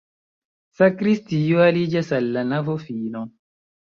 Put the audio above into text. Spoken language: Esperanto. Sakristio aliĝas al la navofino.